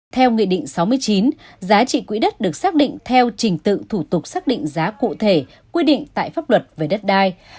theo nghị định sáu mươi chín giá trị quỹ đất được xác định theo trình tự thủ tục xác định giá cụ thể quy định tại pháp luật về đất đai